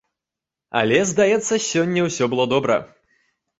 Але, здаецца, сёння ўсё было добра.